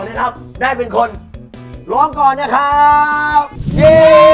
เย้